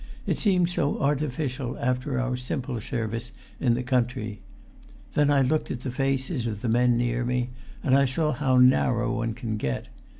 It seemed so artificial after our simple service in the country. Then I looked at the faces of the men near me, and I saw how narrow one can get.